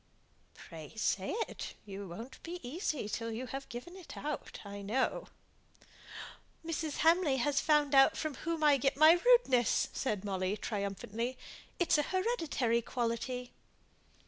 "Pray say it. You won't be easy till you have given it out, I know." "Mrs. Hamley has found out from whom I get my rudeness," said Molly, triumphantly. "It's an hereditary quality."